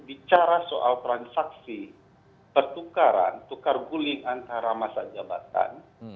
bicara soal transaksi pertukaran tukar guling antara masa jabatan